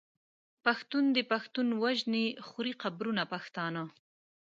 پښتون دی پښتون وژني خوري قبرونه پښتانه